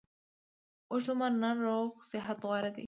اوږد عمر نه روغ صحت غوره ده